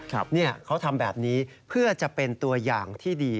เขาทำแบบนี้เพื่อจะเป็นตัวอย่างที่ดี